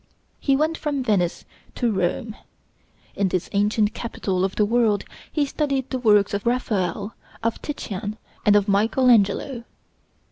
He went from Venice to Rome. In this ancient capital of the world he studied the works of Raphael, of Titian, and of Michael Angelo.